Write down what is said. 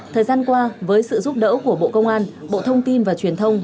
thời gian qua với sự giúp đỡ của bộ công an bộ thông tin và truyền thông